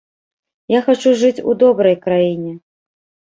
Я хачу жыць у добрай краіне.